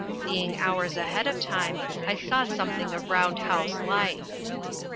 Being hours ahead of time, I saw something of round house life.